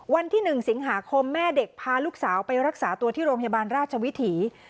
วันที่๑สิงหาคมแม่เด็กพาลูกสาวไปรักษาตัวที่โรงพยาบาลราชวิถี